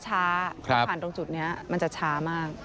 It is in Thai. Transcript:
ผ่านตรงจุดนี้มันจะช้ามาก